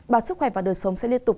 báo sức khoẻ và đời sống sẽ liên tục